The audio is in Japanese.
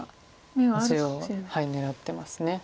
一応狙ってます。